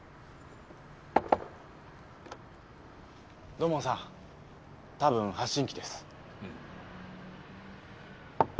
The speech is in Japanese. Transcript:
土門さん多分発信機です。